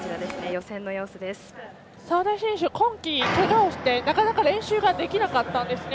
澤田選手、今季けがをしてなかなか練習ができなかったんですね。